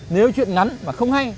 nếu chuyện ngắn mà không hay